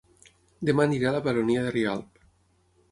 Dema aniré a La Baronia de Rialb